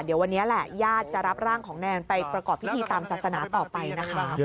เดี๋ยววันนี้แหละญาติจะรับร่างของแนนไปประกอบพิธีตามศาสนาต่อไปนะคะ